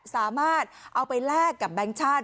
สามารถเอาไปแลกกับแบงค์ชาติ